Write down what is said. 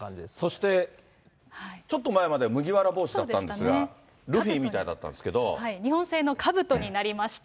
そして、ちょっと前までは麦わら帽子だったんですが、ルフィ日本製のかぶとになりました。